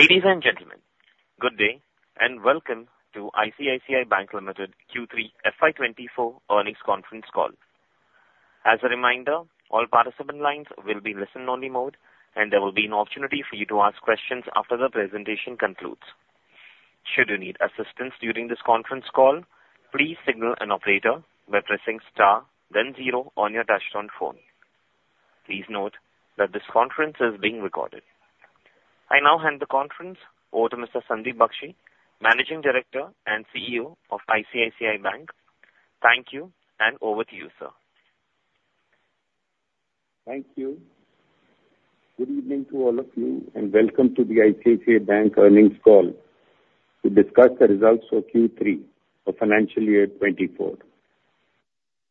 Ladies and gentlemen, good day, and welcome to ICICI Bank Limited, Q3 FY 2024 Earnings Conference Call. As a reminder, all participant lines will be listen-only mode, and there will be an opportunity for you to ask questions after the presentation concludes. Should you need assistance during this conference call, please signal an operator by pressing star, then zero on your touchtone phone. Please note that this conference is being recorded. I now hand the conference over to Mr. Sandeep Bakhshi, Managing Director and CEO of ICICI Bank. Thank you, and over to you, sir. Thank you. Good evening to all of you, and welcome to the ICICI Bank earnings call to discuss the results for Q3 of financial year 2024.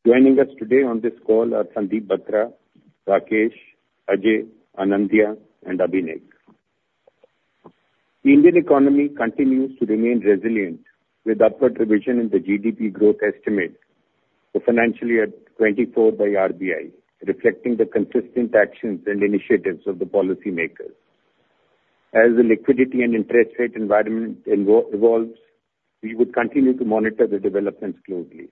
Joining us today on this call are Sandeep Batra, Rakesh, Ajay, Anindya, and Abhinek. The Indian economy continues to remain resilient, with upward revision in the GDP growth estimate for financial year 2024 by RBI, reflecting the consistent actions and initiatives of the policymakers. As the liquidity and interest rate environment evolves, we would continue to monitor the developments closely.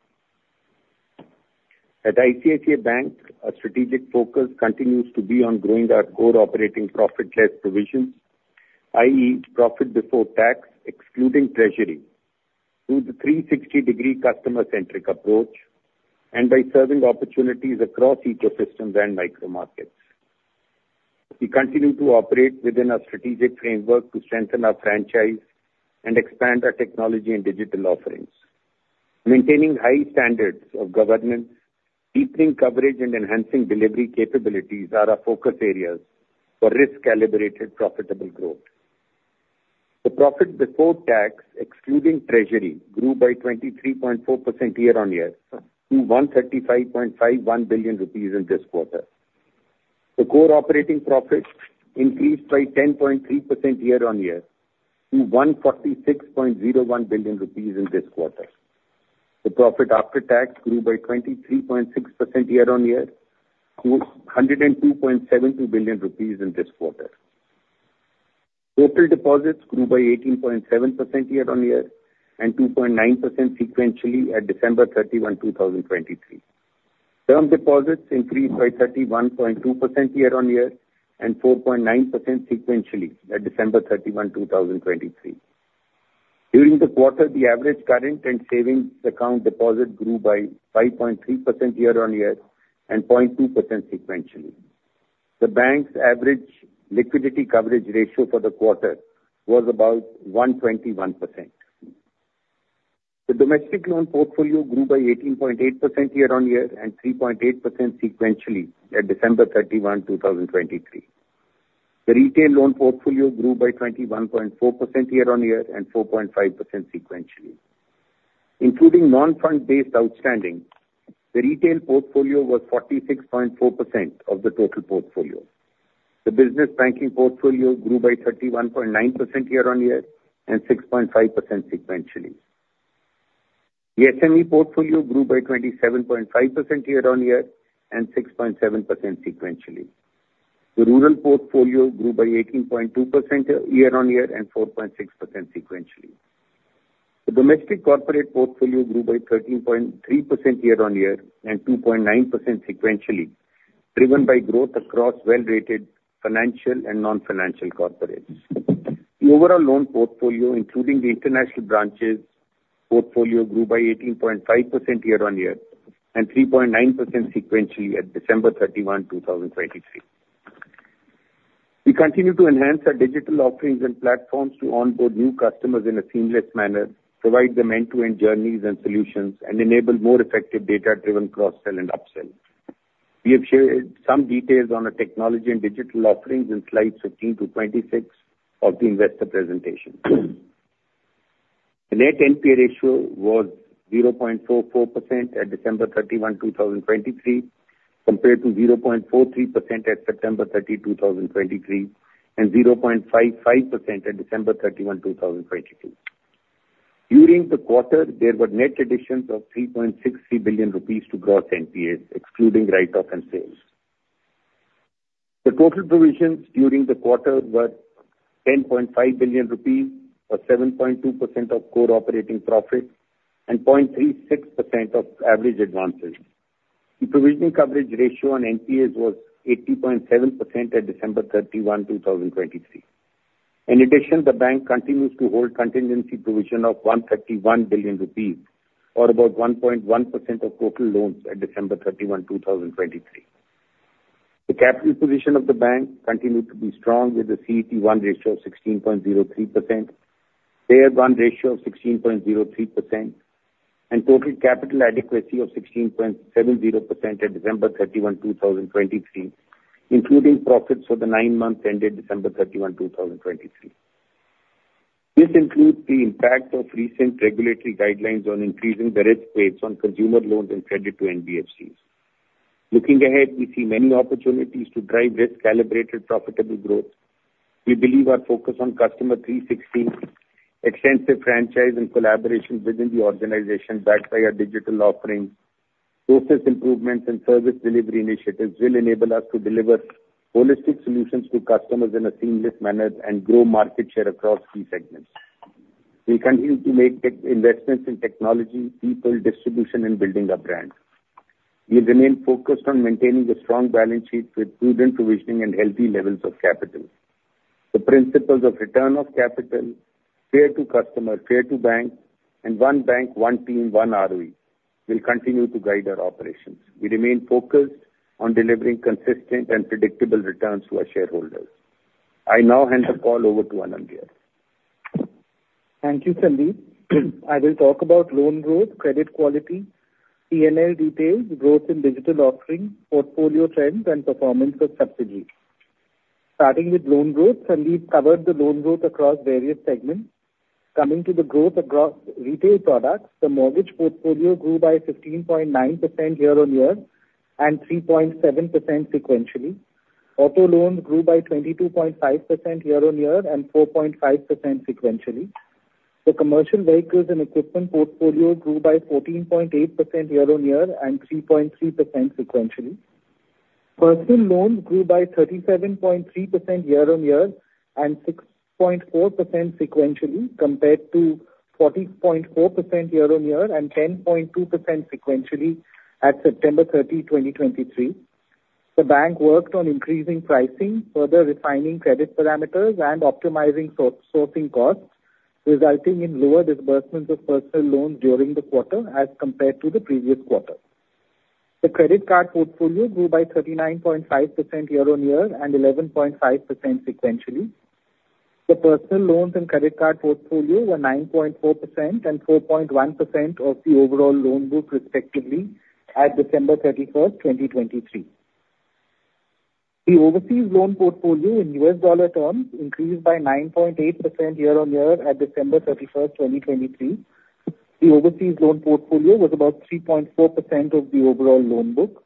At ICICI Bank, our strategic focus continues to be on growing our core operating profit less provisions, i.e., profit before tax, excluding treasury, through the 360-degree customer-centric approach and by serving opportunities across ecosystems and micro markets. We continue to operate within our strategic framework to strengthen our franchise and expand our technology and digital offerings. Maintaining high standards of governance, deepening coverage and enhancing delivery capabilities are our focus areas for risk-calibrated, profitable growth. The profit before tax, excluding treasury, grew by 23.4% year-on-year to 135.51 billion rupees in this quarter. The core operating profit increased by 10.3% year-on-year to 146.01 billion rupees in this quarter. The profit after tax grew by 23.6% year-on-year to 102.72 billion rupees in this quarter. Total deposits grew by 18.7% year-on-year and 2.9% sequentially at December 31, 2023. Term deposits increased by 31.2% year-on-year and 4.9% sequentially at December 31, 2023. During the quarter, the average current and savings account deposit grew by 5.3% year-over-year and 0.2% sequentially. The bank's average liquidity coverage ratio for the quarter was about 121%. The domestic loan portfolio grew by 18.8% year-over-year and 3.8% sequentially at December 31, 2023. The retail loan portfolio grew by 21.4% year-over-year and 4.5% sequentially. Including non-fund based outstanding, the retail portfolio was 46.4% of the total portfolio. The business banking portfolio grew by 31.9% year-over-year and 6.5% sequentially. The SME portfolio grew by 27.5% year-over-year and 6.7% sequentially. The rural portfolio grew by 18.2% year-over-year and 4.6% sequentially. The domestic corporate portfolio grew by 13.3% year-on-year and 2.9% sequentially, driven by growth across well-rated financial and non-financial corporates. The overall loan portfolio, including the international branches portfolio, grew by 18.5% year-on-year and 3.9% sequentially at December 31, 2023. We continue to enhance our digital offerings and platforms to onboard new customers in a seamless manner, provide them end-to-end journeys and solutions, and enable more effective data-driven cross-sell and up-sell. We have shared some details on our technology and digital offerings in slides 15 to 26 of the investor presentation. The net NPA ratio was 0.44% at December 31, 2023, compared to 0.43% at September 30, 2023, and 0.55% at December 31, 2022. During the quarter, there were net additions of 3.63 billion rupees to gross NPAs, excluding write-off and sales. The total provisions during the quarter were 10.5 billion rupees, or 7.2% of core operating profit and 0.36% of average advances. The provisioning coverage ratio on NPAs was 80.7% at December 31, 2023. In addition, the bank continues to hold contingency provision of 131 billion rupees, or about 1.1% of total loans at December 31, 2023. The capital position of the bank continued to be strong, with a CET1 ratio of 16.03%, Tier 1 ratio of 16.03%, and total capital adequacy of 16.70% at December 31, 2023, including profits for the nine months ended December 31, 2023. This includes the impact of recent regulatory guidelines on increasing the risk weights on consumer loans and credit to NBFCs. Looking ahead, we see many opportunities to drive risk-calibrated, profitable growth. We believe our focus on Customer 360, extensive franchise and collaboration within the organization, backed by our digital offerings, process improvements and service delivery initiatives will enable us to deliver holistic solutions to customers in a seamless manner and grow market share across key segments. We continue to make tech investments in technology, people, distribution, and building our brand. We remain focused on maintaining a strong balance sheet with prudent provisioning and healthy levels of capital. The principles of return of capital, Fair to Customer, Fair to Bank, and One Bank, One Team, One ROE will continue to guide our operations. We remain focused on delivering consistent and predictable returns to our shareholders. I now hand the call over to Anindya Banerjee. Thank you, Sandeep. I will talk about loan growth, credit quality, P&L details, growth in digital offerings, portfolio trends, and performance of subsidiaries. Starting with loan growth, Sandeep covered the loan growth across various segments. Coming to the growth across retail products, the mortgage portfolio grew by 15.9% year-on-year and 3.7% sequentially. Auto loans grew by 22.5% year-on-year and 4.5% sequentially. The commercial vehicles and equipment portfolio grew by 14.8% year-on-year and 3.3% sequentially. Personal loans grew by 37.3% year-on-year and 6.4% sequentially, compared to 40.4% year-on-year and 10.2% sequentially at September 30, 2023. The bank worked on increasing pricing, further refining credit parameters, and optimizing sourcing costs, resulting in lower disbursements of personal loans during the quarter as compared to the previous quarter. The credit card portfolio grew by 39.5% year-on-year and 11.5% sequentially. The personal loans and credit card portfolio were 9.4% and 4.1% of the overall loan book, respectively, at December 31, 2023. The overseas loan portfolio in US dollar terms increased by 9.8% year-on-year at December 31, 2023. The overseas loan portfolio was about 3.4% of the overall loan book.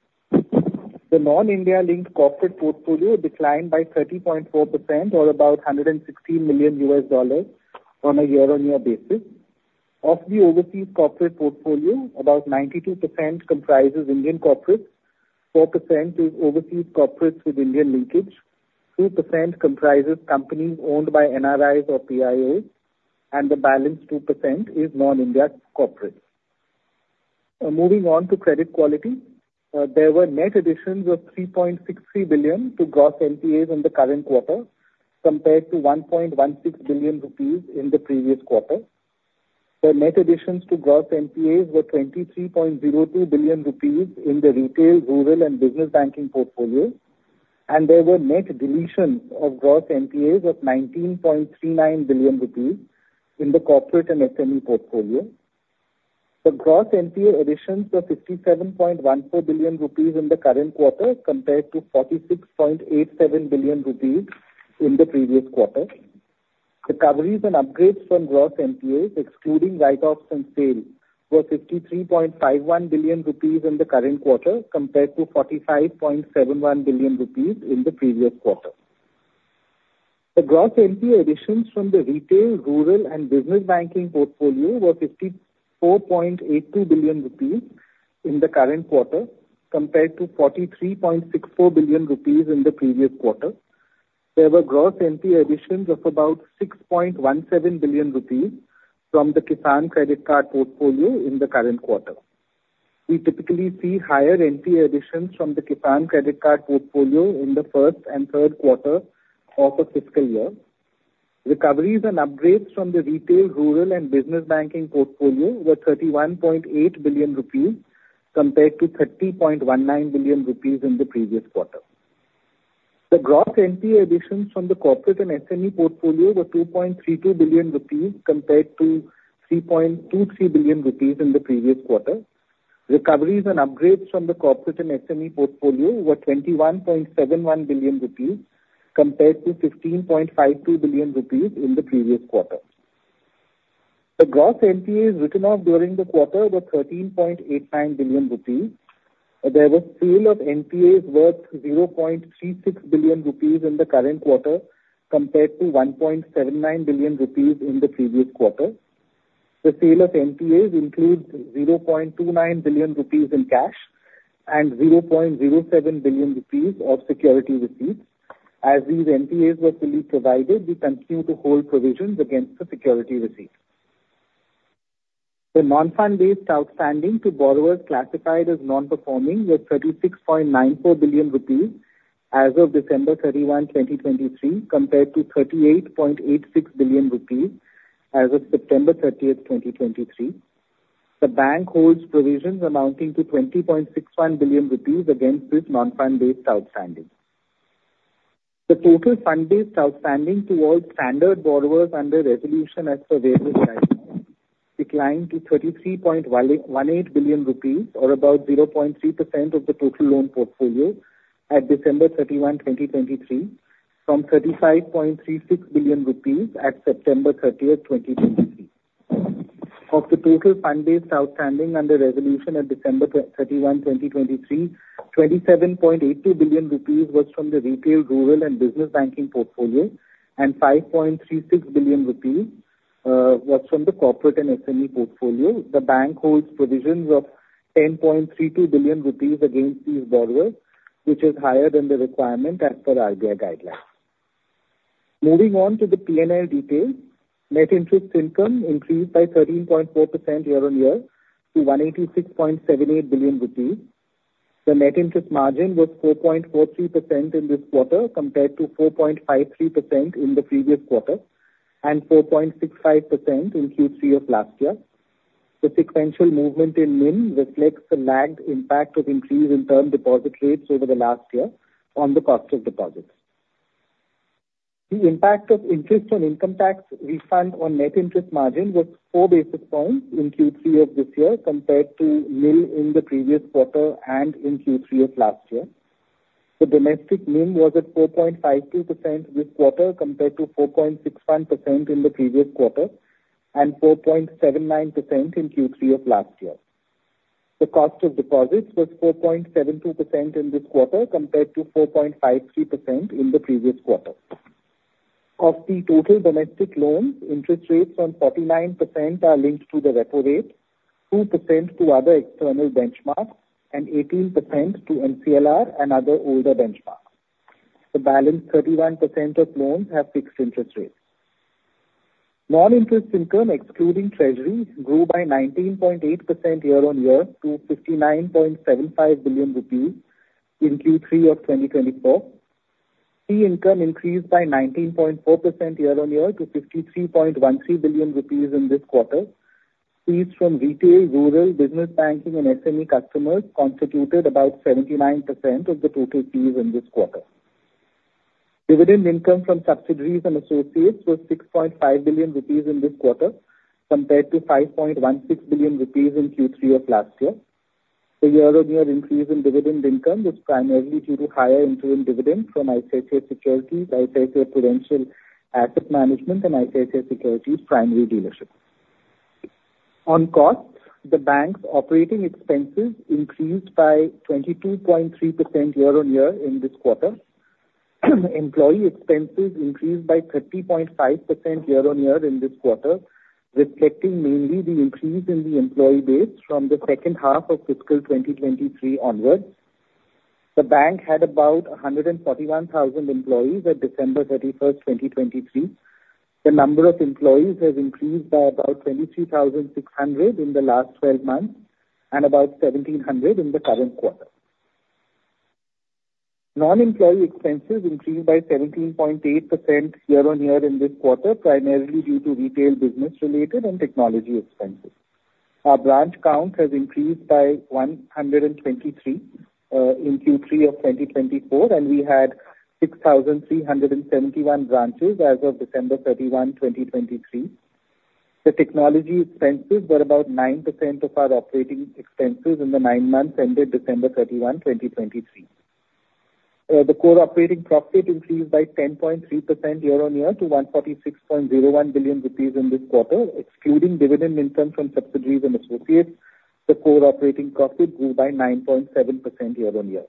The non-India linked corporate portfolio declined by 30.4% or about $116 million on a year-on-year basis. Of the overseas corporate portfolio, about 92% comprises Indian corporates, 4% is overseas corporates with Indian linkage, 2% comprises companies owned by NRIs or PIOs, and the balance 2% is non-India corporate. Moving on to credit quality, there were net additions of 3.63 billion to gross NPAs in the current quarter compared to 1.16 billion rupees in the previous quarter. The net additions to gross NPAs were 23.02 billion rupees in the retail, rural, and business banking portfolio, and there were net deletions of gross NPAs of 19.39 billion rupees in the corporate and SME portfolio. The gross NPA additions were 57.14 billion rupees in the current quarter, compared to 46.87 billion rupees in the previous quarter. Recoveries and upgrades from gross NPAs, excluding write-offs and sale, were 53.51 billion rupees in the current quarter, compared to 45.71 billion rupees in the previous quarter. The gross NPA additions from the retail, rural, and business banking portfolio were 54.82 billion rupees in the current quarter, compared to 43.64 billion rupees in the previous quarter. There were gross NPA additions of about 6.17 billion rupees from the Kisan Credit Card portfolio in the current quarter. We typically see higher NPA additions from the Kisan Credit Card portfolio in the first and third quarter of a fiscal year. Recoveries and upgrades from the retail, rural, and business banking portfolio were 31.8 billion rupees, compared to 30.19 billion rupees in the previous quarter. The gross NPA additions from the corporate and SME portfolio were 2.32 billion rupees, compared to 3.23 billion rupees in the previous quarter. Recoveries and upgrades from the corporate and SME portfolio were 21.71 billion rupees, compared to 15.52 billion rupees in the previous quarter. The gross NPAs written off during the quarter were 13.89 billion rupees. There was sale of NPAs worth 0.36 billion rupees in the current quarter, compared to 1.79 billion rupees in the previous quarter. The sale of NPAs includes 0.29 billion rupees in cash and 0.07 billion rupees of security receipts. As these NPAs were fully provided, we continue to hold provisions against the security receipts. The non-fund-based outstanding to borrowers classified as non-performing were 36.94 billion rupees as of December 31, 2023, compared to 38.86 billion rupees as of September 30, 2023. The bank holds provisions amounting to 20.61 billion rupees against this non-fund-based outstanding. The total fund-based outstanding towards standard borrowers under resolution as per various guidelines declined to 33.18 billion rupees, or about 0.3% of the total loan portfolio, at December 31, 2023, from 35.36 billion rupees at September 30, 2023. Of the total fund-based outstanding under resolution at December 31, 2023, 27.82 billion rupees was from the retail, rural, and business banking portfolio, and 5.36 billion rupees was from the corporate and SME portfolio. The bank holds provisions of 10.32 billion rupees against these borrowers, which is higher than the requirement as per RBI guidelines. Moving on to the P&L details. Net interest income increased by 13.4% year-on-year to 186.78 billion rupees. The net interest margin was 4.43% in this quarter, compared to 4.53% in the previous quarter, and 4.65% in Q3 of last year. The sequential movement in NIM reflects the lagged impact of increase in term deposit rates over the last year on the cost of deposits. The impact of interest on income tax refund on net interest margin was 4 basis points in Q3 of this year, compared to NIM in the previous quarter and in Q3 of last year. The domestic NIM was at 4.52% this quarter, compared to 4.61% in the previous quarter, and 4.79% in Q3 of last year. The cost of deposits was 4.72% in this quarter, compared to 4.53% in the previous quarter. Of the total domestic loans, interest rates on 49% are linked to the repo rate, 2% to other external benchmarks, and 18% to MCLR and other older benchmarks. The balance 31% of loans have fixed interest rates. Non-interest income, excluding treasury, grew by 19.8% year-on-year to 59.75 billion rupees in Q3 of 2024. Fee income increased by 19.4% year-on-year to 53.13 billion rupees in this quarter. Fees from retail, rural, business banking and SME customers constituted about 79% of the total fees in this quarter. Dividend income from subsidiaries and associates was 6.5 billion rupees in this quarter, compared to 5.16 billion rupees in Q3 of last year. The year-on-year increase in dividend income was primarily due to higher interim dividends from ICICI Securities, ICICI Prudential Asset Management, and ICICI Securities Primary Dealership. On costs, the bank's operating expenses increased by 22.3% year-on-year in this quarter. Employee expenses increased by 30.5% year-on-year in this quarter, reflecting mainly the increase in the employee base from the second half of fiscal 2023 onwards. The bank had about 141,000 employees at December 31, 2023. The number of employees has increased by about 23,600 in the last twelve months and about 1,700 in the current quarter. Non-employee expenses increased by 17.8% year-on-year in this quarter, primarily due to retail business related and technology expenses. Our branch count has increased by 123 in Q3 of 2024, and we had 6,371 branches as of December 31, 2023. The technology expenses were about 9% of our operating expenses in the nine months ended December 31, 2023. The core operating profit increased by 10.3% year-on-year to 146.01 billion rupees in this quarter. Excluding dividend income from subsidiaries and associates, the core operating profit grew by 9.7% year-on-year.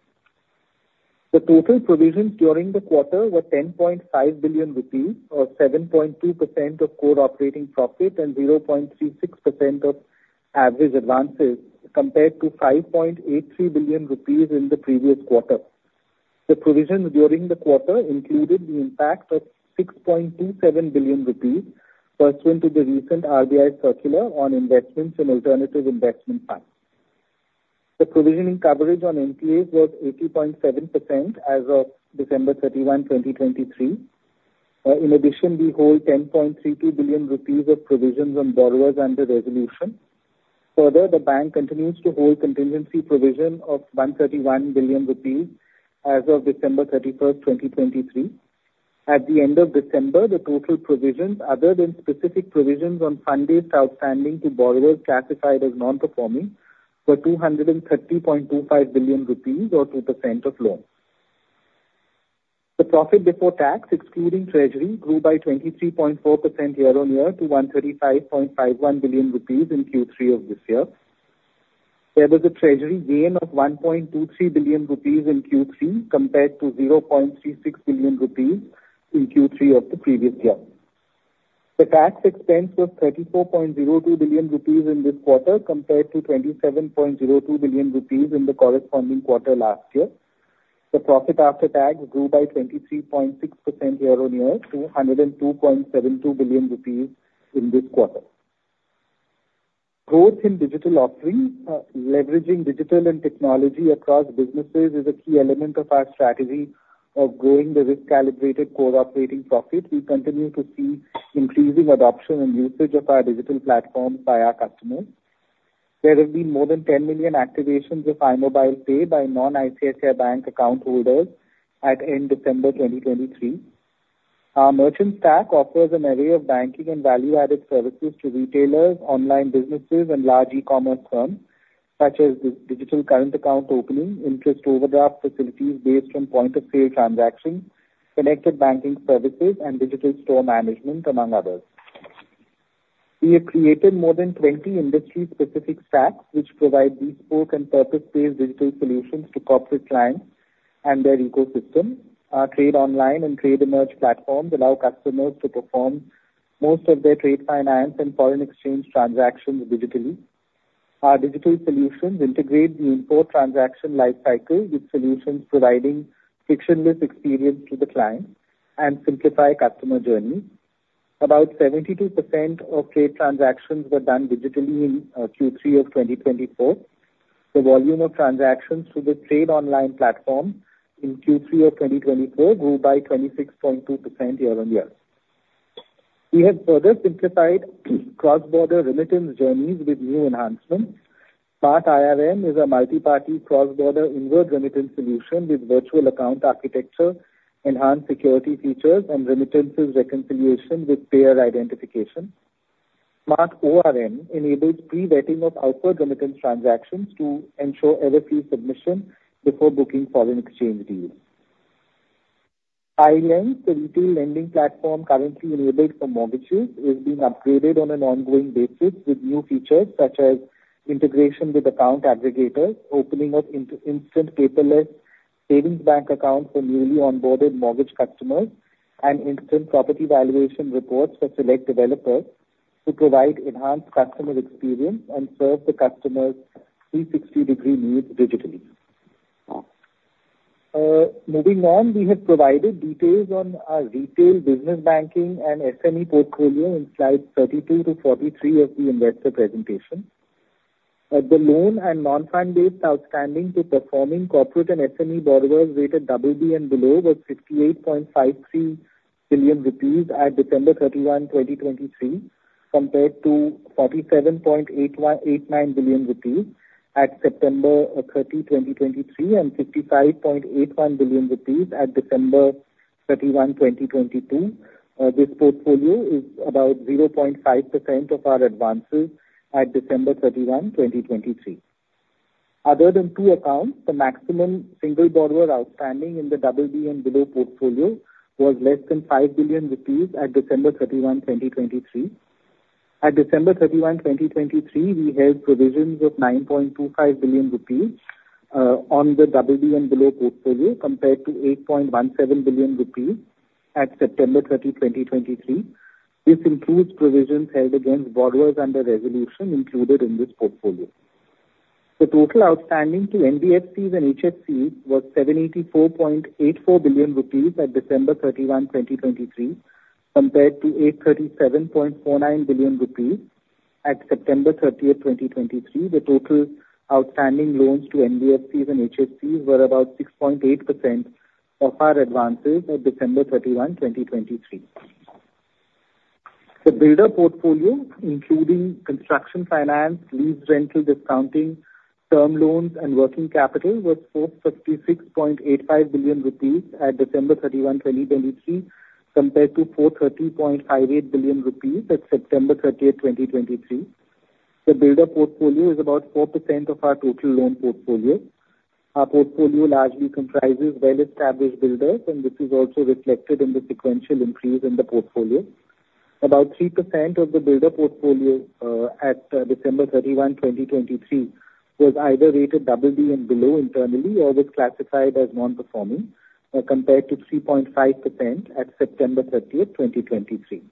The total provisions during the quarter were 10.5 billion rupees, or 7.2% of core operating profit and 0.36% of average advances, compared to 5.83 billion rupees in the previous quarter. The provisions during the quarter included the impact of 6.27 billion rupees, pursuant to the recent RBI circular on investments in alternative investment funds. The provisioning coverage on NPAs was 80.7% as of December 31, 2023. In addition, we hold 10.32 billion rupees of provisions on borrowers under resolution. Further, the bank continues to hold contingency provision of 131 billion rupees as of December 31, 2023. At the end of December, the total provisions, other than specific provisions on funded outstanding to borrowers classified as non-performing, were INR 230.25 billion or 2% of loans. The profit before tax, excluding treasury, grew by 23.4% year-on-year to 135.51 billion rupees in Q3 of this year. There was a treasury gain of 1.23 billion rupees in Q3, compared to 0.36 billion rupees in Q3 of the previous year. The tax expense was 34.02 billion rupees in this quarter, compared to 27.02 billion rupees in the corresponding quarter last year. The profit after tax grew by 23.6% year-on-year to 102.72 billion rupees in this quarter. Growth in digital offerings. Leveraging digital and technology across businesses is a key element of our strategy of growing the risk-calibrated core operating profit. We continue to see increasing adoption and usage of our digital platforms by our customers. There have been more than 10 million activations of iMobile Pay by non-ICICI Bank account holders at end-December 2023. Our Merchant Stack offers an array of banking and value-added services to retailers, online businesses, and large e-commerce firms, such as digital current account opening, interest overdraft facilities based on point-of-sale transactions, connected banking services, and digital store management, among others. We have created more than 20 industry-specific stacks, which provide bespoke and purpose-built digital solutions to corporate clients and their ecosystem. Our Trade Online and Trade Emerge platforms allow customers to perform most of their trade finance and foreign exchange transactions digitally. Our digital solutions integrate the import transaction life cycle with solutions providing frictionless experience to the client and simplify customer journey. About 72% of trade transactions were done digitally in Q3 of 2024. The volume of transactions through the Trade Online platform in Q3 of 2024 grew by 26.2% year-on-year. We have further simplified cross-border remittance journeys with new enhancements. Smart IRM is a multi-party cross-border inward remittance solution with virtual account architecture, enhanced security features, and remittances reconciliation with payer identification. Smart ORM enables pre-vetting of outward remittance transactions to ensure error-free submission before booking foreign exchange deals. iLend, the retail lending platform currently enabled for mortgages, is being upgraded on an ongoing basis with new features such as integration with account aggregators, opening up instant paperless savings bank accounts for newly onboarded mortgage customers, and instant property valuation reports for select developers, to provide enhanced customer experience and serve the customers' 360-degree needs digitally. Moving on, we have provided details on our retail business banking and SME portfolio in slides 32-43 of the investor presentation. The loan and non-fund-based outstanding to performing corporate and SME borrowers rated BB and below was 58.53 billion rupees at December 31, 2023, compared to 47.89 billion rupees at September 30, 2023, and 55.81 billion rupees at December 31, 2022. This portfolio is about 0.5% of our advances at December 31, 2023. Other than two accounts, the maximum single borrower outstanding in the BB and below portfolio was less than 5 billion rupees at December 31, 2023. At December 31, 2023, we held provisions of 9.25 billion rupees on the BB and below portfolio, compared to 8.17 billion rupees at September 30, 2023. This includes provisions held against borrowers under resolution included in this portfolio. The total outstanding to NBFCs and HFCs was 784.84 billion rupees at December 31, 2023, compared to 837.49 billion rupees at September 30, 2023. The total outstanding loans to NBFCs and HFCs were about 6.8% of our advances at December 31, 2023. The builder portfolio, including construction finance, lease rental discounting, term loans, and working capital, was 456.85 billion rupees at December 31, 2023, compared to 430.58 billion rupees at September 30, 2023. The builder portfolio is about 4% of our total loan portfolio. Our portfolio largely comprises well-established builders, and this is also reflected in the sequential increase in the portfolio. About 3% of the builder portfolio at December 31, 2023, was either rated BB and below internally or was classified as non-performing, compared to 3.5% at September 30, 2023.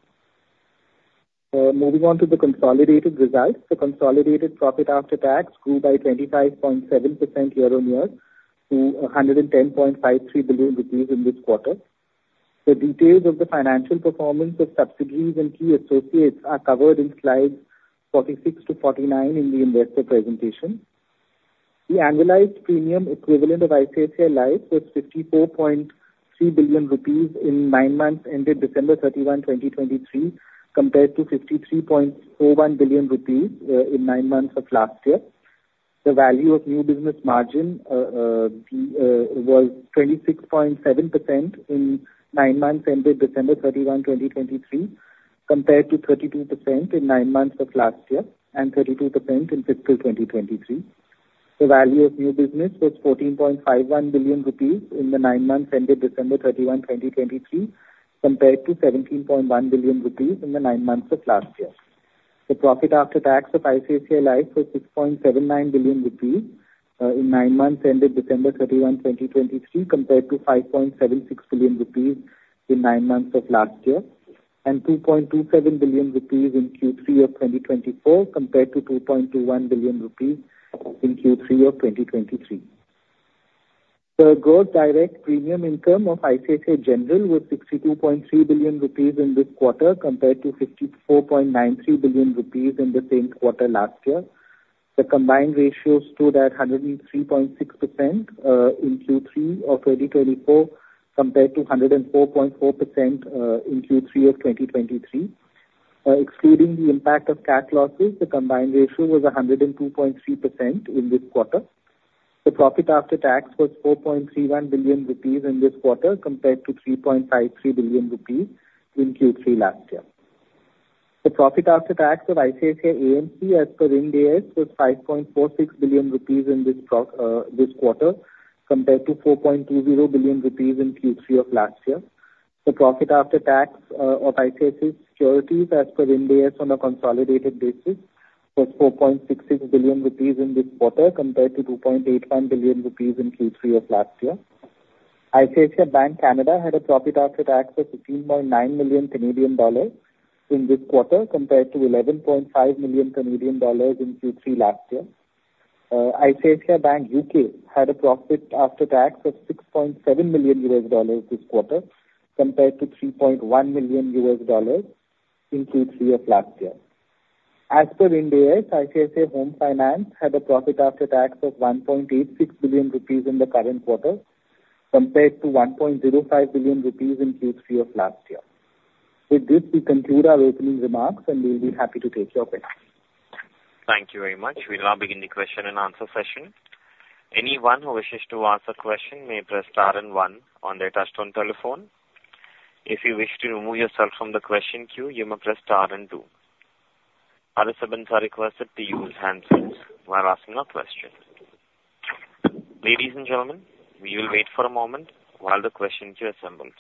Moving on to the consolidated results. The consolidated profit after tax grew by 25.7% year-on-year to 110.53 billion rupees in this quarter. The details of the financial performance of subsidiaries and key associates are covered in slides 46-49 in the investor presentation. The annualized premium equivalent of ICICI Life was 54.3 billion rupees in nine months, ended December 31, 2023, compared to 53.01 billion rupees in nine months of last year. The value of new business margin was 26.7% in nine months, ended December 31, 2023, compared to 32% in nine months of last year, and 32% in fiscal 2023. The value of new business was 14.51 billion rupees in the nine months ended December 31, 2023, compared to 17.1 billion rupees in the nine months of last year. The profit after tax of ICICI Life was 6.79 billion rupees in nine months ended December 31, 2023, compared to 5.76 billion rupees in nine months of last year, and 2.27 billion rupees in Q3 of 2024 compared to 2.21 billion rupees in Q3 of 2023. The gross direct premium income of ICICI General was 62.3 billion rupees in this quarter, compared to 54.93 billion rupees in the same quarter last year. The combined ratio stood at 103.6% in Q3 of 2024, compared to 104.4% in Q3 of 2023. Excluding the impact of Cat losses, the combined ratio was 102.3% in this quarter. The profit after tax was 4.31 billion rupees in this quarter, compared to 3.53 billion rupees in Q3 last year. The profit after tax of ICICI AMC, as per Ind AS, was 5.46 billion rupees in this quarter, compared to 4.20 billion rupees in Q3 of last year. The profit after tax of ICICI Securities, as per Ind AS on a consolidated basis was 4.66 billion rupees in this quarter, compared to 2.81 billion rupees in Q3 of last year. ICICI Bank Canada had a profit after tax of 15.9 million Canadian dollars in this quarter, compared to 11.5 million Canadian dollars in Q3 last year. ICICI Bank UK had a profit after tax of $6.7 million this quarter, compared to $3.1 million in Q3 of last year. As per Ind AS, ICICI Home Finance had a profit after tax of 1.86 billion rupees in the current quarter, compared to 1.05 billion rupees in Q3 of last year. With this, we conclude our opening remarks, and we'll be happy to take your questions. Thank you very much. We'll now begin the question and answer session. Anyone who wishes to ask a question may press star and one on their touchtone telephone. If you wish to remove yourself from the question queue, you may press star and two. Participants are requested to use handsets while asking a question. Ladies and gentlemen, we will wait for a moment while the question queue assembles.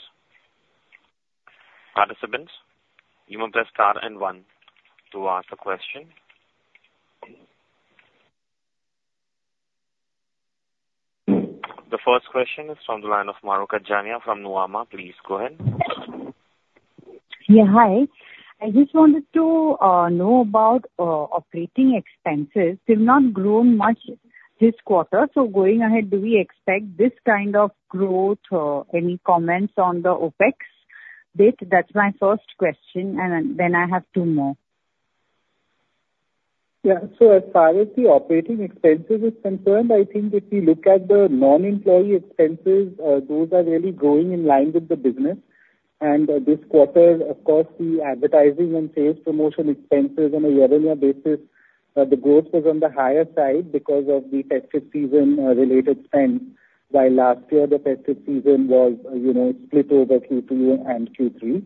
Participants, you may press star and one to ask a question. The first question is from the line of Umaro Kajania from Nuvama. Please go ahead. Yeah, hi. I just wanted to know about operating expenses. They've not grown much this quarter, so going ahead, do we expect this kind of growth? Any comments on the OpEx bit? That's my first question, and then I have two more. Yeah. So as far as the operating expenses is concerned, I think if you look at the non-employee expenses, those are really growing in line with the business. And this quarter, of course, the advertising and sales promotion expenses on a year-on-year basis, the growth was on the higher side because of the festive season related spend. While last year, the festive season was, you know, split over Q2 and Q3.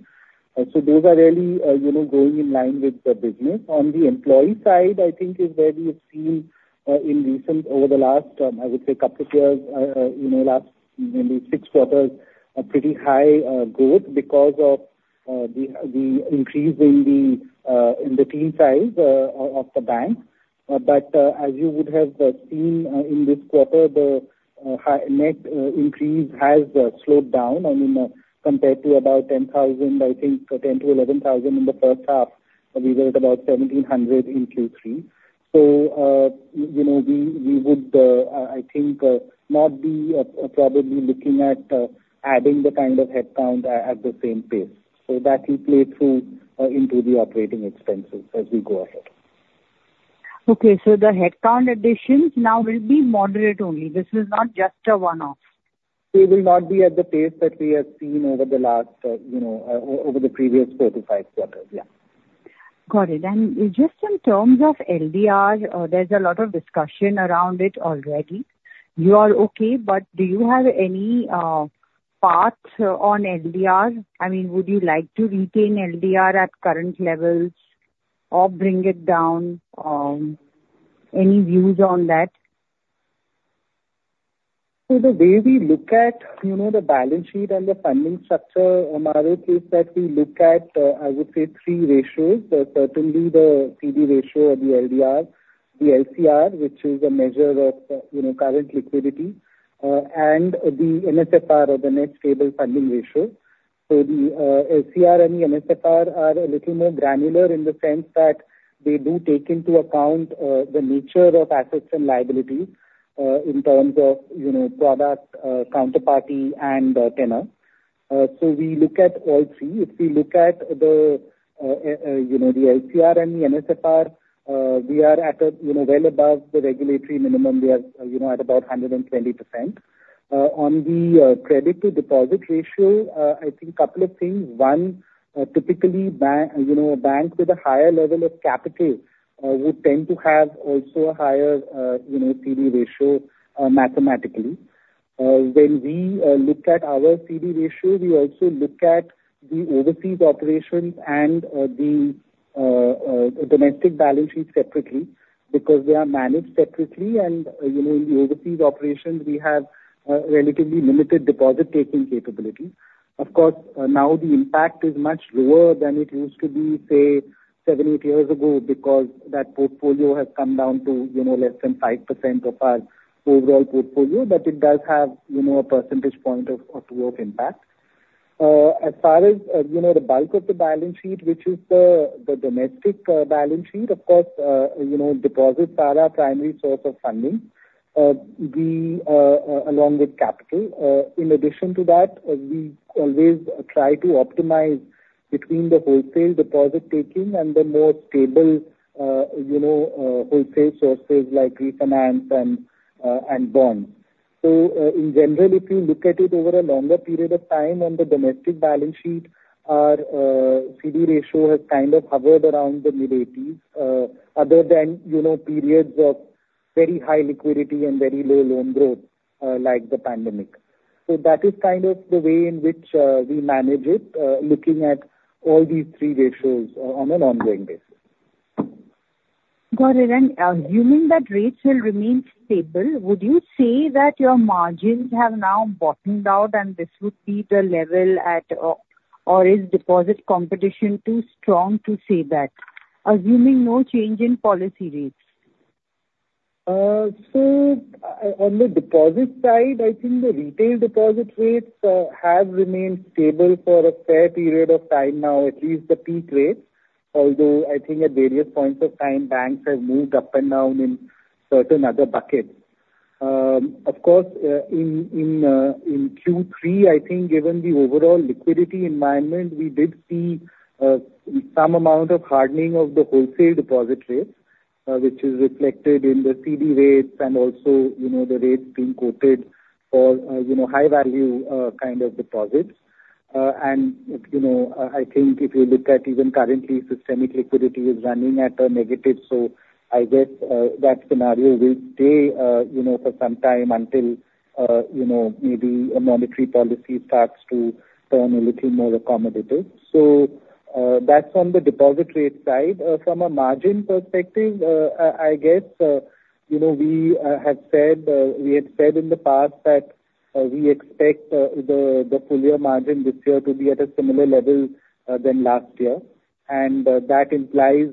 So those are really, you know, growing in line with the business. On the employee side, I think is where you've seen in recent, over the last, I would say, couple of years, you know, last maybe six quarters, a pretty high growth because of the increase in the team size of the bank. But, as you would have seen, in this quarter, the higher net increase has slowed down. I mean, compared to about 10,000, I think 10,000-11,000 in the first half, we were at about 1,700 in Q3. So, you know, we would, I think, not be probably looking at adding the kind of headcount at the same pace. So that will play through into the operating expenses as we go ahead. Okay, so the headcount additions now will be moderate only, this is not just a one-off? It will not be at the pace that we have seen over the last, you know, over the previous 45 quarters. Yeah. Got it. And just in terms of LDR, there's a lot of discussion around it already. You are okay, but do you have any path on LDR? I mean, would you like to retain LDR at current levels or bring it down? Any views on that? So the way we look at, you know, the balance sheet and the funding structure, Umaro, is that we look at, I would say, three ratios. Certainly the CD ratio or the LDR, the LCR, which is a measure of, you know, current liquidity, and the NSFR, or the Net Stable Funding Ratio. So the LCR and the NSFR are a little more granular in the sense that they do take into account the nature of assets and liability in terms of, you know, product, counterparty and tenor. So we look at all three. If we look at the, you know, the LCR and the NSFR, we are at a, you know, well above the regulatory minimum. We are, you know, at about 120%. On the credit to deposit ratio, I think a couple of things. One, typically, you know, a bank with a higher level of capital would tend to have also a higher, you know, CD ratio mathematically. When we look at our CD ratio, we also look at the overseas operations and the domestic balance sheet separately, because they are managed separately. And, you know, in the overseas operations, we have relatively limited deposit-taking capability. Of course, now the impact is much lower than it used to be, say, 7-8 years ago, because that portfolio has come down to, you know, less than 5% of our overall portfolio, but it does have, you know, a percentage point of lower impact. As far as you know, the bulk of the balance sheet, which is the domestic balance sheet, of course, you know, deposits are our primary source of funding. Along with capital, in addition to that, we always try to optimize between the wholesale deposit taking and the more stable, you know, wholesale sources like refinance and and bonds. So, in general, if you look at it over a longer period of time on the domestic balance sheet, our CD ratio has kind of hovered around the mid-80s, other than, you know, periods of very high liquidity and very low loan growth, like the pandemic. So that is kind of the way in which we manage it, looking at all these three ratios on an ongoing basis. Got it. Assuming that rates will remain stable, would you say that your margins have now bottomed out and this would be the level at? Or is deposit competition too strong to say that, assuming no change in policy rates? So, on the deposit side, I think the retail deposit rates have remained stable for a fair period of time now, at least the peak rates, although I think at various points of time, banks have moved up and down in certain other buckets. Of course, in Q3, I think given the overall liquidity environment, we did see some amount of hardening of the wholesale deposit rates, which is reflected in the CD rates and also, you know, the rates being quoted for, you know, high value kind of deposits. And, you know, I think if you look at even currently, systemic liquidity is running at a negative, so I guess that scenario will stay, you know, for some time until you know, maybe a monetary policy starts to turn a little more accommodative. So, that's on the deposit rate side. From a margin perspective, I guess, you know, we have said, we had said in the past that we expect the full year margin this year to be at a similar level than last year. And that implies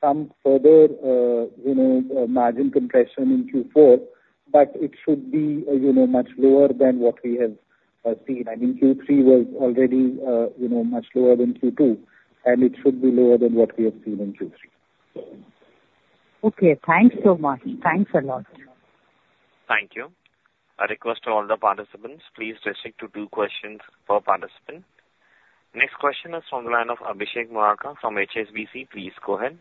some further, you know, margin compression in Q4, but it should be, you know, much lower than what we have seen. I think Q3 was already, you know, much lower than Q2, and it should be lower than what we have seen in Q3. Okay, thanks so much. Thanks a lot. Thank you. I request all the participants, please restrict to two questions per participant. Next question is from the line of Abhishek Murarka from HSBC. Please go ahead.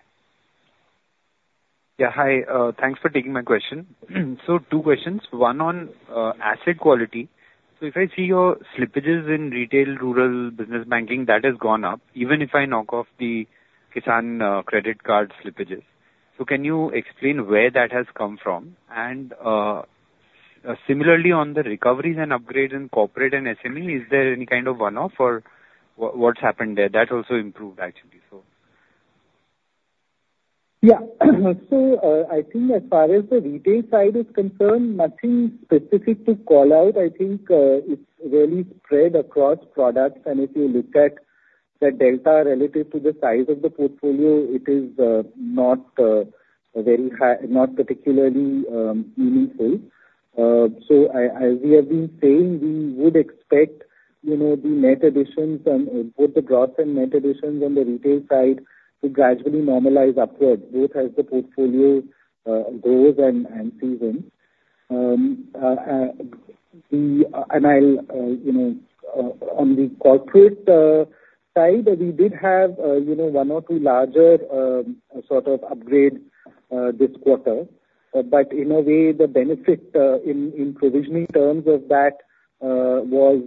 Yeah, hi. Thanks for taking my question. So two questions, one on asset quality. So if I see your slippages in retail, rural business banking, that has gone up, even if I knock off the Kisan Credit Card slippages. So can you explain where that has come from? And similarly on the recoveries and upgrade in corporate and SME, is there any kind of one-off or what, what's happened there? That also improved actually, so. Yeah. So, I think as far as the retail side is concerned, nothing specific to call out. I think, it's really spread across products, and if you look at the delta relative to the size of the portfolio, it is, not, very high... Not particularly, meaningful. So I, as we have been saying, we would expect, you know, the net additions and both the gross and net additions on the retail side to gradually normalize upwards, both as the portfolio grows and seasons. And I'll, you know, on the corporate side, we did have, you know, one or two larger, sort of upgrade, this quarter. But in a way, the benefit in provisioning terms of that was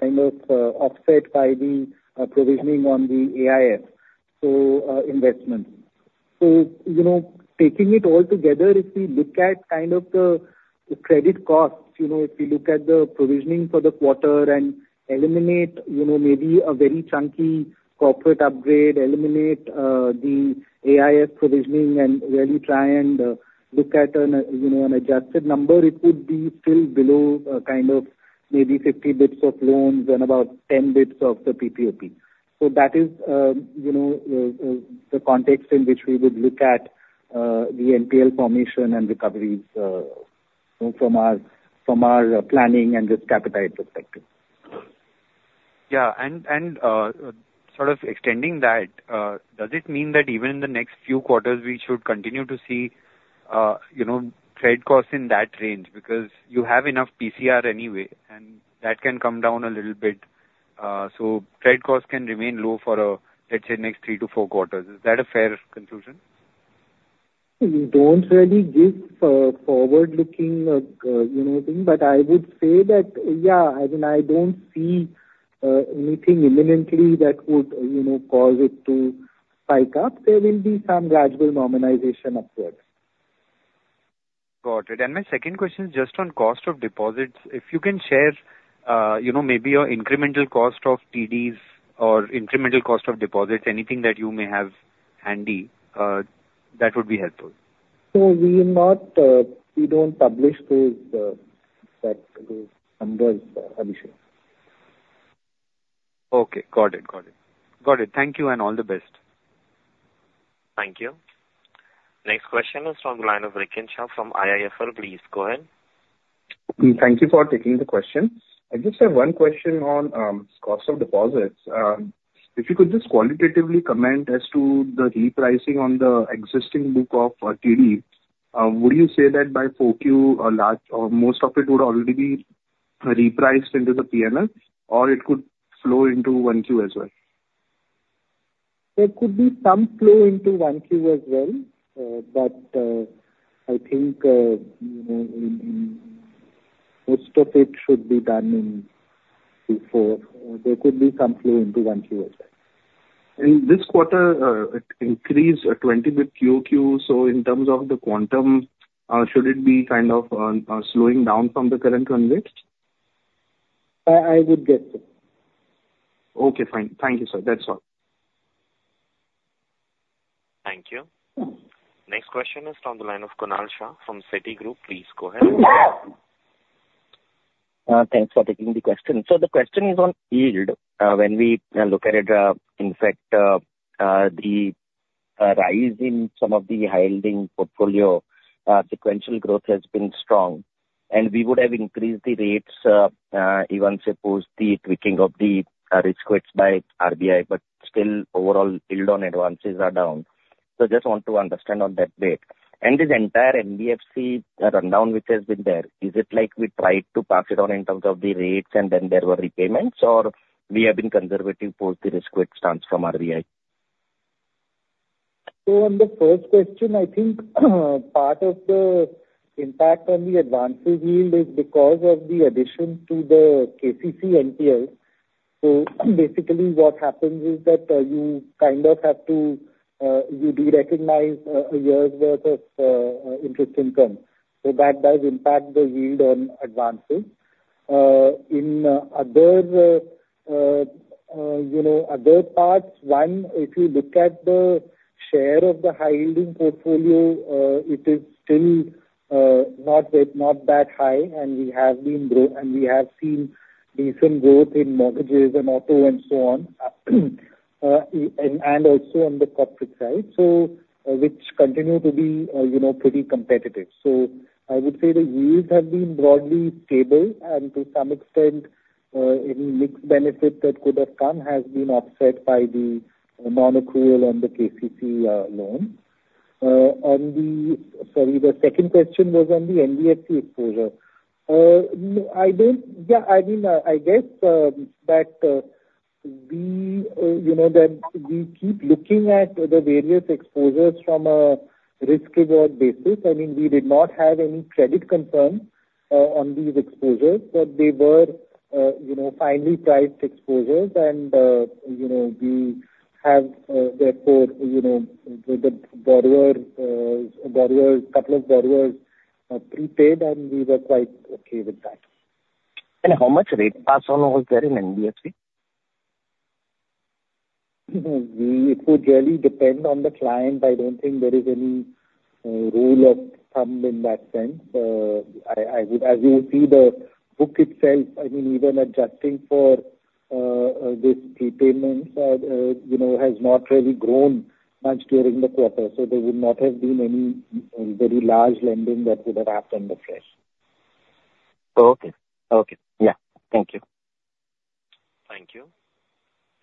kind of offset by the provisioning on the AIF, so investment. So, you know, taking it all together, if we look at kind of the credit costs, you know, if you look at the provisioning for the quarter and eliminate, you know, maybe a very chunky corporate upgrade, eliminate the AIF provisioning, and really try and look at an, you know, an adjusted number, it would be still below kind of maybe 50 basis points of loans and about 10 basis points of the PPOP. So that is, you know, the context in which we would look at the NPL formation and recoveries from our planning and just capitalized perspective. Yeah. Sort of extending that, does it mean that even in the next few quarters we should continue to see, you know, credit costs in that range? Because you have enough PCR anyway, and that can come down a little bit. So credit costs can remain low for, let's say, next 3-4 quarters. Is that a fair conclusion? We don't really give forward-looking, you know, thing, but I would say that, yeah, I mean, I don't see anything imminently that would, you know, cause it to spike up. There will be some gradual normalization upwards. Got it. And my second question, just on cost of deposits. If you can share, you know, maybe your incremental cost of TDs or incremental cost of deposits, anything that you may have handy, that would be helpful. We will not, we don't publish those numbers, Abhinek. Okay, got it. Got it. Got it. Thank you, and all the best. Thank you. Next question is from the line of Rikin Shah from IIFL. Please go ahead. Thank you for taking the question. I just have one question on cost of deposits. If you could just qualitatively comment as to the repricing on the existing book of TD. Would you say that by 4Q, a large or most of it would already be repriced into the P&L, or it could flow into 1Q as well? There could be some flow into 1Q as well, but, I think, you know, most of it should be done in Q4. There could be some flow into 1Q as well. In this quarter, it increased 20 bps QOQ, so in terms of the quantum, should it be kind of, slowing down from the current run rate? I would guess so. Okay, fine. Thank you, sir. That's all. Thank you. Next question is on the line of Kunal Shah from Citigroup. Please go ahead. Thanks for taking the question. So the question is on yield. When we look at it, in fact, the rise in some of the high-yielding portfolio, sequential growth has been strong, and we would have increased the rates, even suppose the tweaking of the risk weights by RBI, but still, overall yield on advances are down. So just want to understand on that bit. And this entire NBFC, rundown which has been there, is it like we tried to pass it on in terms of the rates and then there were repayments, or we have been conservative post the risk weight stance from RBI? So on the first question, I think, part of the impact on the advances yield is because of the addition to the KCC NPL. So basically, what happens is that, you kind of have to, you do recognize, a year's worth of, interest income, so that does impact the yield on advances. In other, you know, other parts, one, if you look at the share of the high-yielding portfolio, it is still, not that, not that high, and we have been and we have seen decent growth in mortgages and auto and so on, and, and also on the corporate side, so, which continue to be, you know, pretty competitive. So I would say the yields have been broadly stable, and to some extent, any mixed benefit that could have come has been offset by the non-accrual on the KCC loan. On the... Sorry, the second question was on the NBFC exposure. No, I don't... Yeah, I mean, I guess, you know, that we keep looking at the various exposures from a risk-reward basis. I mean, we did not have any credit concern on these exposures, but they were, you know, finely priced exposures and, you know, we have, therefore, you know, the borrower, couple of borrowers prepaid, and we were quite okay with that. How much rate pass on was there in NBFC? Well, it would really depend on the client. I don't think there is any rule of thumb in that sense. I would, as you see the book itself, I mean, even adjusting for this prepayments, you know, has not really grown much during the quarter, so there would not have been any very large lending that would have happened afresh. Okay. Okay, yeah. Thank you. Thank you.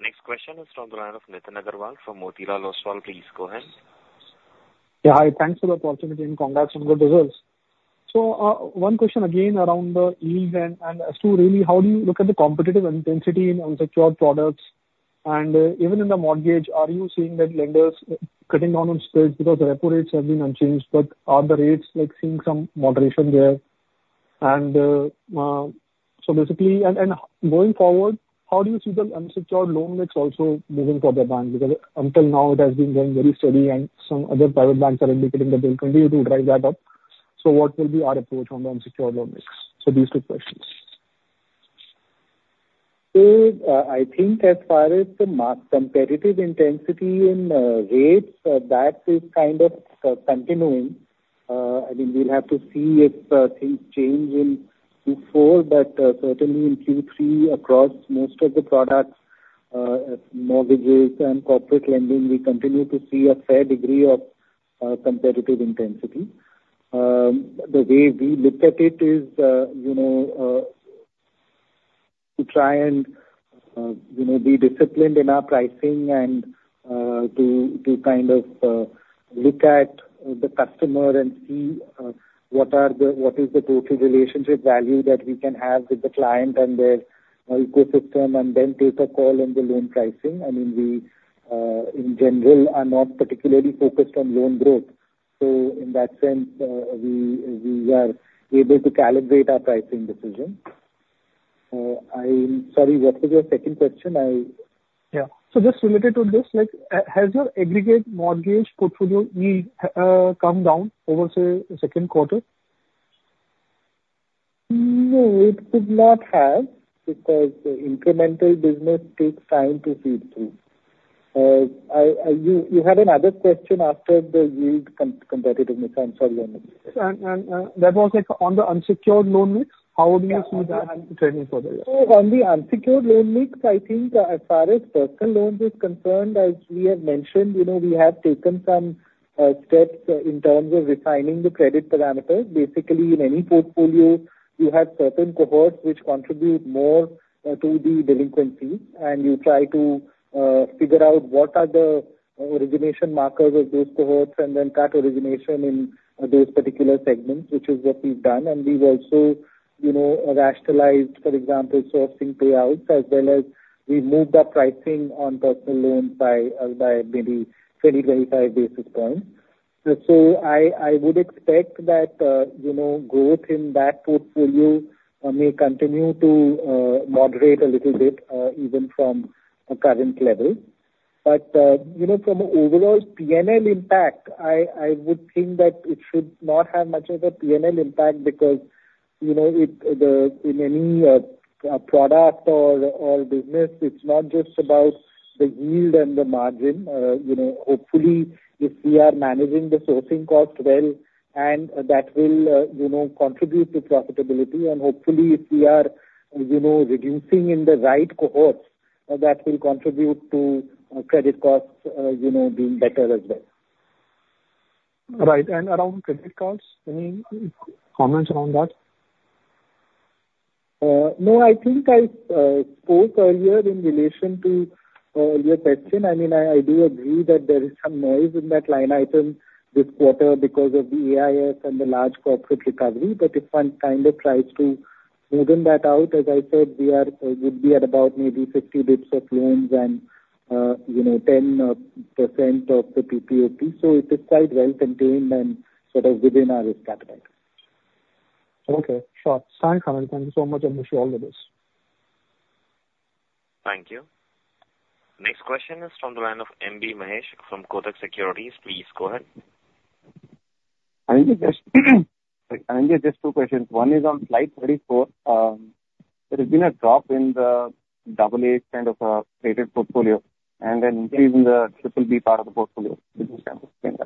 Next question is from the line of Nitin Aggarwal from Motilal Oswal. Please go ahead. Yeah, hi. Thanks for the opportunity, and congrats on good results. So, one question again around the yield and as to really how do you look at the competitive intensity in unsecured products? And even in the mortgage, are you seeing that lenders cutting down on spreads because the repo rates have been unchanged, but are the rates, like, seeing some moderation there? And so basically, going forward, how do you see the unsecured loan mix also moving for the bank? Because until now it has been growing very steady, and some other private banks are indicating that they continue to drive that up. So what will be our approach on the unsecured loan mix? So these two questions. So, I think as far as the competitive intensity in rates, that is kind of continuing. I mean, we'll have to see if things change in Q4, but certainly in Q3, across most of the products, mortgages and corporate lending, we continue to see a fair degree of competitive intensity. The way we look at it is, you know, to try and, you know, be disciplined in our pricing and to kind of look at the customer and see what are the, what is the total relationship value that we can have with the client and their ecosystem, and then take a call on the loan pricing. I mean, we, in general, are not particularly focused on loan growth, so in that sense, we are able to calibrate our pricing decision. Sorry, what was your second question? I- Yeah. So just related to this, like, has your aggregate mortgage portfolio yield come down over, say, the second quarter? No, it could not have, because the incremental business takes time to feed through. I, you had another question after the yield competitiveness. I'm sorry. That was, like, on the unsecured loan mix, how do you see that trending further? So on the unsecured loan mix, I think as far as personal loans is concerned, as we have mentioned, you know, we have taken some steps in terms of refining the credit parameters. Basically, in any portfolio, you have certain cohorts which contribute more to the delinquency, and you try to figure out what are the origination markers of those cohorts and then cut origination in those particular segments, which is what we've done. And we've also, you know, rationalized, for example, sourcing payouts, as well as we've moved the pricing on personal loans by by maybe 30-35 basis points. So I, I would expect that you know growth in that portfolio may continue to moderate a little bit even from a current level. But, you know, from an overall P&L impact, I would think that it should not have much of a P&L impact because, you know, in any product or business, it's not just about the yield and the margin. You know, hopefully, if we are managing the sourcing cost well, and that will, you know, contribute to profitability, and hopefully if we are, you know, reducing in the right cohorts, that will contribute to credit costs, you know, doing better as well. Right. Around credit costs, any comments on that? No, I think I spoke earlier in relation to your question. I mean, I do agree that there is some noise in that line item this quarter because of the AIF and the large corporate recovery. But if one kind of tries to even that out, as I said, we are would be at about maybe 50 basis points of loans and, you know, 10% of the PPOP. So it is quite well contained and sort of within our risk appetite. Okay, sure. Thanks, Anindya. Thank you so much, and wish you all the best. Thank you. Next question is from the line of M.B. Mahesh from Kotak Securities. Please go ahead. I think just, sorry, Anindya, just two questions. One is on slide 34. There has been a drop in the double-A kind of rated portfolio, and an increase in the triple-B part of the portfolio. Could you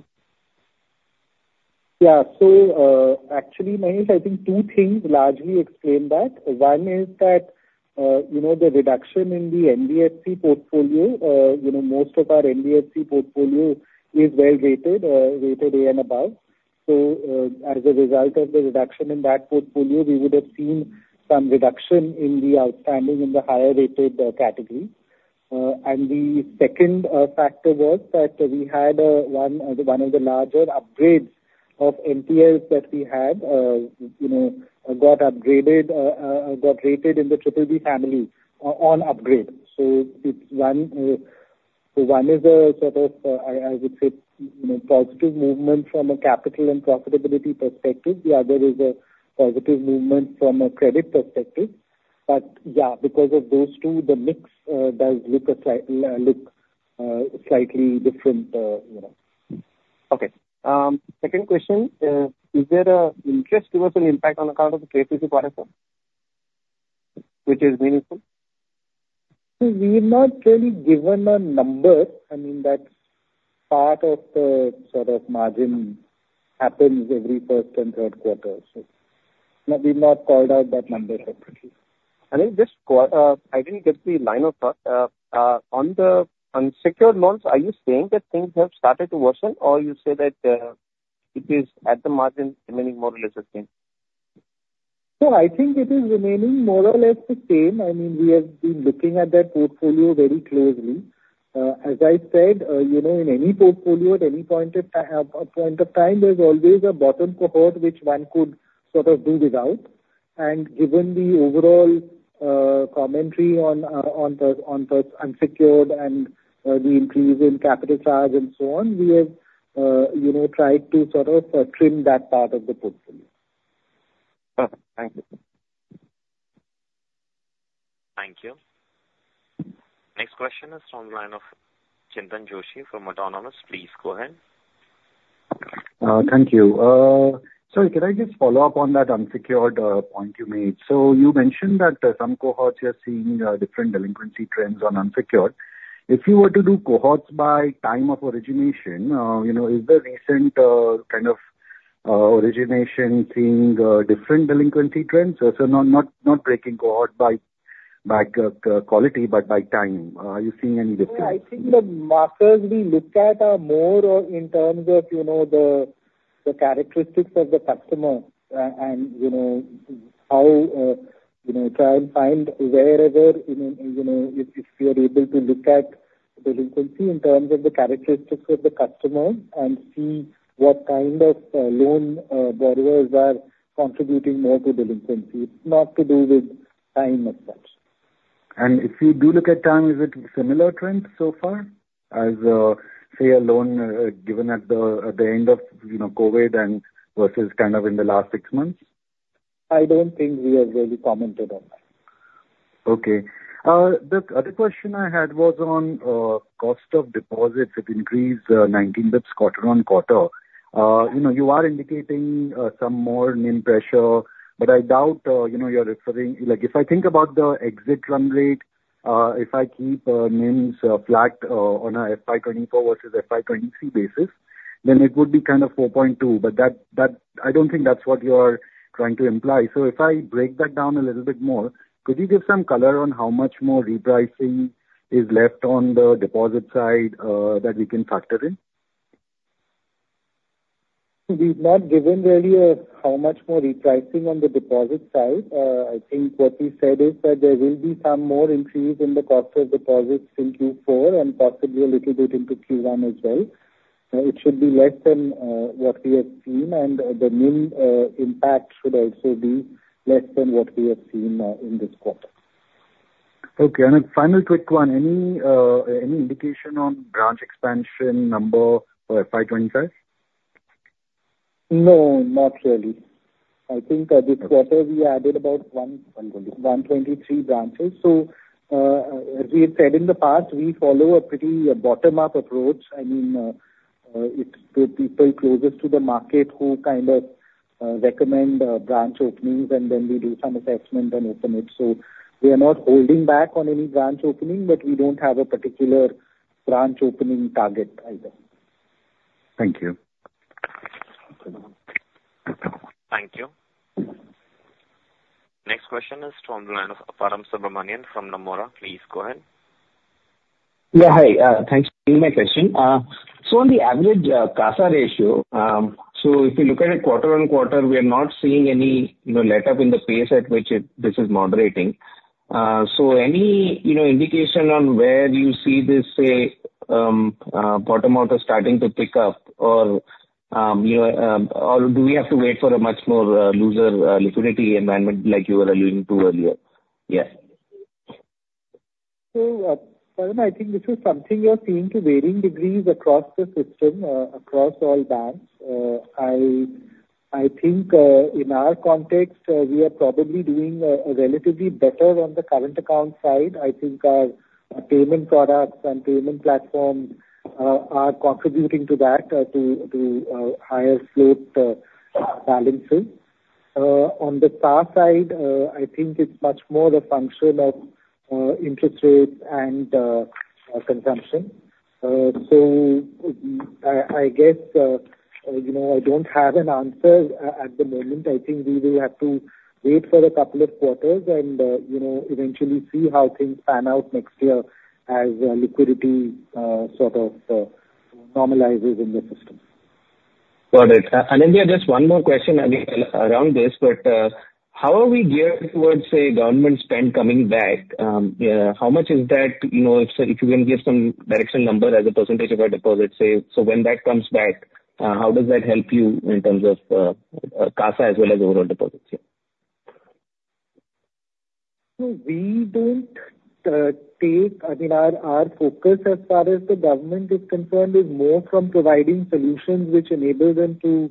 kind of explain that? Yeah. So, actually, Mahesh, I think two things largely explain that. One is that, you know, the reduction in the NBFC portfolio, you know, most of our NBFC portfolio is well rated, rated A and above. So, as a result of the reduction in that portfolio, we would have seen some reduction in the outstanding in the higher-rated category. And the second factor was that we had one of the larger upgrades of NPL that we had, you know, got rated in the triple B family on upgrade. So one is a sort of, I would say, you know, positive movement from a capital and profitability perspective, the other is a positive movement from a credit perspective. But yeah, because of those two, the mix does look slightly different, you know. Okay. Second question, is there a interest reversal impact on account of the KCC portfolio, which is meaningful? We've not really given a number. I mean, that's part of the sort of margin happens every first and third quarter, so no, we've not called out that number separately. Anindya, just qua, I didn't get the line of thought. On the unsecured loans, are you saying that things have started to worsen, or you say that, it is at the margin remaining more or less the same? I think it is remaining more or less the same. I mean, we have been looking at that portfolio very closely. As I said, you know, in any portfolio, at any point of time, there's always a bottom cohort which one could sort of do without. And given the overall commentary on the unsecured and the increase in capital charge and so on, we have, you know, tried to sort of trim that part of the portfolio. Thank you. Thank you. Next question is from the line of Chintan Joshi from Autonomous. Please go ahead. Thank you. So can I just follow up on that unsecured point you made? So you mentioned that some cohorts you are seeing different delinquency trends on unsecured. If you were to do cohorts by time of origination, you know, is the recent kind of origination seeing different delinquency trends? So not breaking cohort by quality, but by time. Are you seeing any difference? Yeah, I think the markers we look at are more in terms of, you know, the characteristics of the customer, and you know, how, you know, try and find wherever, you know, if we are able to look at delinquency in terms of the characteristics of the customer and see what kind of loan borrowers are contributing more to delinquency. It's not to do with time as such. If you do look at time, is it similar trends so far? As, say, a loan given at the end of, you know, COVID and versus kind of in the last six months? I don't think we have really commented on that. Okay. The other question I had was on cost of deposits. It increased 19 basis points quarter-on-quarter. You know, you are indicating some more NIM pressure, but I doubt, you know, you're referring... Like, if I think about the exit run rate, if I keep NIMs flat on a FY 2024 versus FY 2023 basis, then it would be kind of 4.2. But that, that- I don't think that's what you're trying to imply. So if I break that down a little bit more, could you give some color on how much more repricing is left on the deposit side that we can factor in? We've not given really how much more repricing on the deposit side. I think what we said is that there will be some more increase in the cost of deposits in Q4 and possibly a little bit into Q1 as well. It should be less than what we have seen, and the NIM impact should also be less than what we have seen in this quarter. Okay. A final quick one: Any, any indication on branch expansion number for FY 2025? No, not really. I think, this quarter we added about one- One twenty. 123 branches. So, as we have said in the past, we follow a pretty bottom-up approach. I mean, it's the people closest to the market who kind of recommend branch openings, and then we do some assessment and open it. So we are not holding back on any branch opening, but we don't have a particular branch opening target either. Thank you. Thank you. Next question is from Param Subramanian from Nomura. Please go ahead. Yeah, hi. Thanks for taking my question. So on the average, CASA ratio, so if you look at it quarter-on-quarter, we are not seeing any, you know, letup in the pace at which it, this is moderating. So any, you know, indication on where you see this, say, bottom out or starting to pick up? Or, you know, or do we have to wait for a much more, looser, liquidity environment like you were alluding to earlier? Yes. So, Param, I think this is something we are seeing to varying degrees across the system, across all banks. I think, in our context, we are probably doing relatively better on the current account side. I think our payment products and payment platforms are contributing to that, to higher float balances. On the CASA side, I think it's much more the function of interest rates and consumption. So, I guess, you know, I don't have an answer at the moment. I think we will have to wait for a couple of quarters and, you know, eventually see how things pan out next year as liquidity sort of normalizes in the system. Got it. And then, yeah, just one more question, I mean, around this, but, how are we geared towards, say, government spend coming back? How much is that? You know, if you can give some direction number as a percentage of our deposits, say. So when that comes back, how does that help you in terms of, CASA as well as overall deposits? Yeah. So we don't take. I mean, our focus as far as the government is concerned is more from providing solutions which enable them to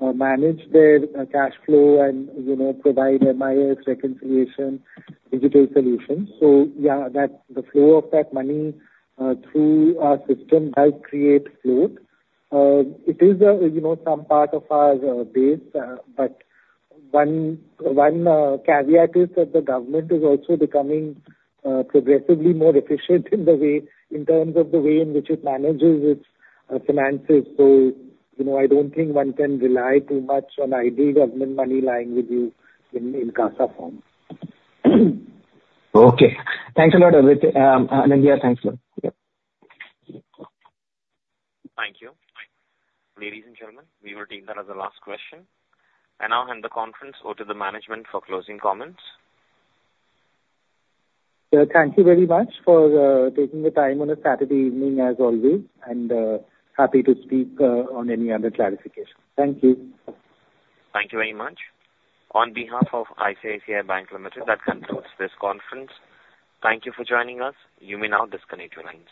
manage their cash flow and, you know, provide MIS reconciliation, digital solutions. So yeah, that, the flow of that money through our system does create float. It is a, you know, some part of our base, but one caveat is that the government is also becoming progressively more efficient in the way, in terms of the way in which it manages its finances. So, you know, I don't think one can rely too much on idle government money lying with you in CASA form. Okay. Thanks a lot, Anand, yeah, thanks a lot. Yep. Thank you. Ladies and gentlemen, we will take that as the last question. I now hand the conference over to the management for closing comments. Thank you very much for taking the time on a Saturday evening, as always, and happy to speak on any other clarification. Thank you. Thank you very much. On behalf of ICICI Bank Limited, that concludes this conference. Thank you for joining us. You may now disconnect your lines.